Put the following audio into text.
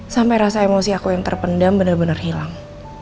sampai rasa emosi aku yang terpendam bener bener hilang